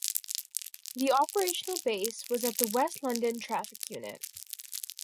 The operational base was at the West London Traffic Unit.